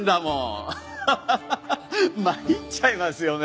参っちゃいますよね。